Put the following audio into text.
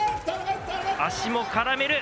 足も絡める。